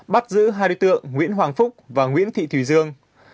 bắt giữ hai đối tượng nguyễn hoàng phúc và nguyễn thị thùy dương